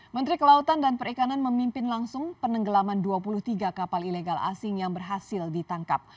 menteri kelautan dan perikanan memimpin langsung penenggelaman dua puluh tiga kapal ilegal asing yang berhasil ditangkap